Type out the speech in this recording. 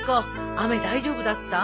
雨大丈夫だった？